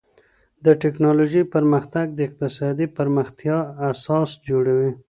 د ټکنالوژۍ پرمختګ د اقتصادي پرمختيا اساس جوړوي.